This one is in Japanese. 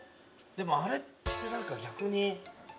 でもあれって何か逆に。